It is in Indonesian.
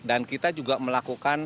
dan kita juga mengumpulkan dua belas drum